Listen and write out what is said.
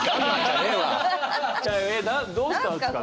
どうしたんですか？